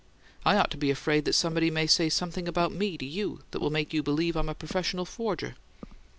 I ought to be afraid that somebody may say something about me to you that will make you believe I'm a professional forger."